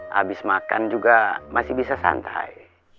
habis makan juga masih bisa santai